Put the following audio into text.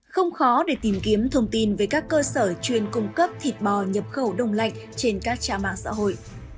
không khó để tìm kiếm thông tin về các cơ sở chuyên cung cấp thịt bò nhập khẩu đông lạnh trên các trang mạng xã hội